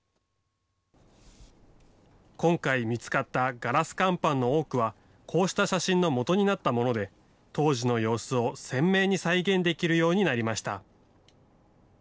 今回、見つかったガラス乾板の多くは、こうした写真のもとになったもので、当時の様子を鮮明に再現できるようになりました。